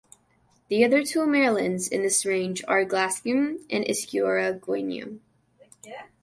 The other two Marilyns in this range are Glasgwm and Esgeiriau Gwynion.